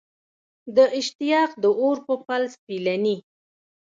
د اشتیاق د اور په پل سپېلني